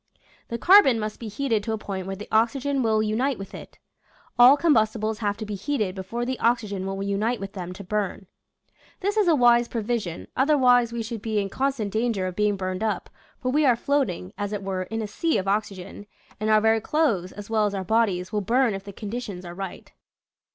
The carbon must be heated to a point where the oxygen will unite with it. All combustibles have to be heated before the oxygen will unite with them to burn. This is a wise provision, otherwise we should be in constant danger of being burned up, for we are floating, as it were, in a sea of oxygen, and our very clothes as well as our bodies will burn if the conditions are right.